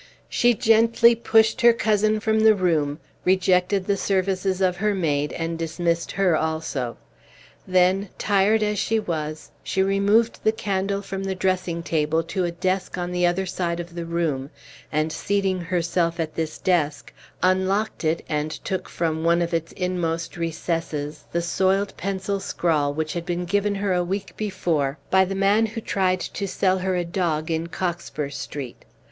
She gently pushed her cousin from the room, rejected the services of her maid, and dismissed her also. Then, tired as she was, she removed the candle from the dressing table to a desk on the other side of the room, and, seating herself at this desk, unlocked it and took from one of its inmost recesses the soiled pencil scrawl which had been given her a week before by the man who tried to sell her a dog in Cockspur street.